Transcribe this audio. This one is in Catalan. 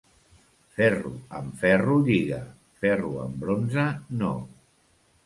Ferro amb ferro, lliga; ferro amb bronze, no.